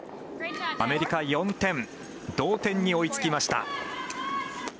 アメリカ４点、同点に追いつきました。